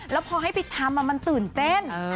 แล้วพอให้ปิดทามมามันตื่นเต้น